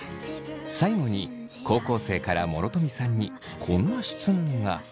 最後に高校生から諸富さんにこんな質問が。